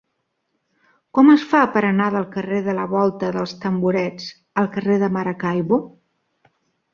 Com es fa per anar del carrer de la Volta dels Tamborets al carrer de Maracaibo?